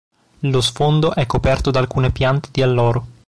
Lo sfondo è coperto da alcune piante di alloro.